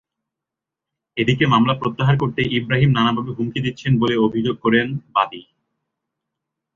এদিকে মামলা প্রত্যাহার করতে ইব্রাহিম নানাভাবে হুমকি দিচ্ছেন বলে অভিযোগ করেন বাদী।